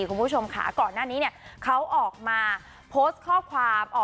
คุณผู้ชมคะ